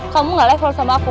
kamu gak level sama aku